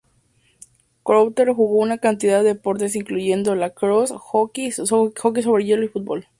Crowther jugó una cantidad de deportes incluyendo lacrosse, hockey sobre hielo y fútbol.